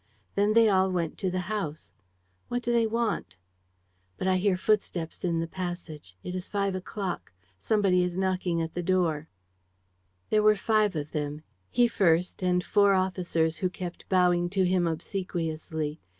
Then they all went to the house. What do they want? "But I hear footsteps in the passage. ... It is 5 o'clock. ... Somebody is knocking at the door. ..."There were five of them: he first and four officers who kept bowing to him obsequiously.